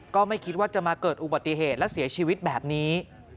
ก็ไม่คิดว่าจะมาเกิดอุบัติเหตุและเสียชีวิตแบบนี้